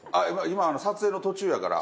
今撮影の途中やから。